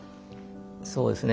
そうですね